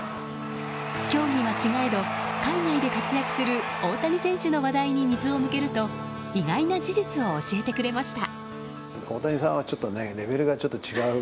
競技は違えど海外で活躍する大谷選手の話題に水を向けると意外な事実を教えてくれました。